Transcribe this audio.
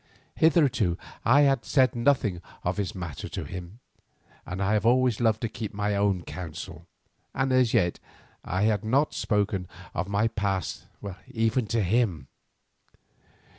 Hitherto I had said nothing of this matter to him, for I have always loved to keep my own counsel, and as yet I had not spoken of my past even to him.